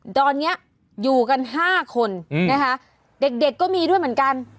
ตอนนี้อยู่กัน๕คนนะคะเด็กก็มีด้วยเหมือนกัน